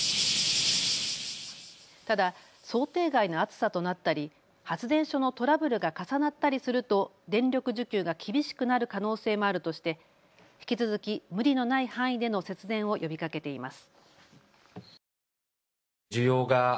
ただ想定外の暑さとなったり発電所のトラブルが重なったりすると電力需給が厳しくなる可能性もあるとして引き続き無理のない範囲での節電を呼びかけています。